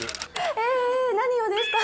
え何をですか？